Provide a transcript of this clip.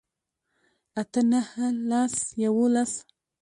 اتۀ نهه لس يوولس